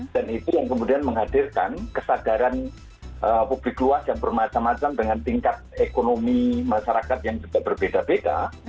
dan itu yang kemudian menghadirkan kesadaran publik luas yang bermacam macam dengan tingkat ekonomi masyarakat yang juga berbeda beda